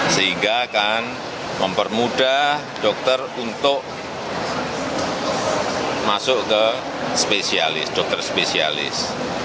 sehingga akan mempermudah dokter untuk masuk ke spesialis dokter spesialis